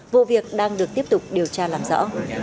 vụ việc đang được tiếp tục điều tra làm rõ